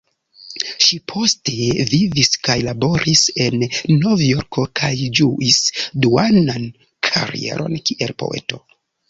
Ŝi poste vivis kaj laboris en Novjorko kaj ĝuis duan karieron kiel poeto.